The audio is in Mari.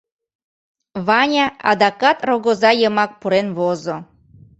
Ваня адакат рогоза йымак пурен возо.